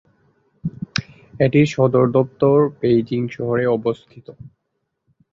এটির সদর দপ্তর বেইজিং শহরে অবস্থিত।